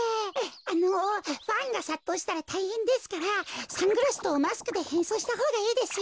あのファンがさっとうしたらたいへんですからサングラスとマスクでへんそうしたほうがいいですよ。